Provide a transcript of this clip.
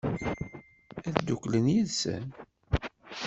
Ad dduklen yid-sen?